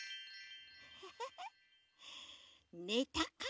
ウフフねたかな？